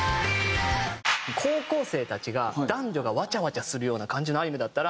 高校生たちが男女がわちゃわちゃするような感じのアニメだったら。